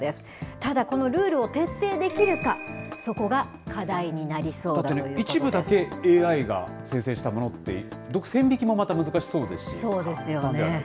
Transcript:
ただこのルールを徹底できるか、そこが課題になりそうだというこだってね、一部だけＡＩが生成したものって、線引きもまた難しそうですし。